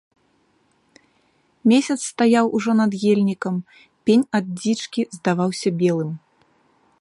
Месяц стаяў ужо над ельнікам, пень ад дзічкі здаваўся белым.